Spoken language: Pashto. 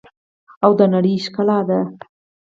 او د نړۍ ښکلا دي.